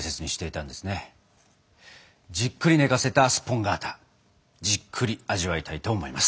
じっくり寝かせたスポンガータじっくり味わいたいと思います。